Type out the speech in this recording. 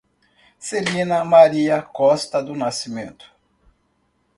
Celina Maria Costa do Nascimento